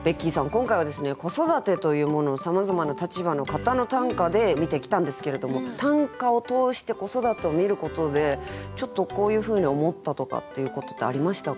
今回は「子育て」というものをさまざまな立場の方の短歌で見てきたんですけれども短歌を通して子育てを見ることでちょっとこういうふうに思ったとかっていうことってありましたか？